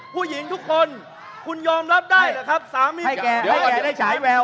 ผู้หญิงทุกคนคุณยอมรับได้เหรอครับ